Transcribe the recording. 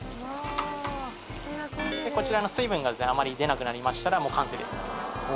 こちらの水分があまり出なくなりましたら完成です。